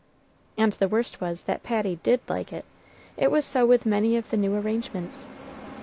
And the worst was that Patty did like it. It was so with many of the new arrangements.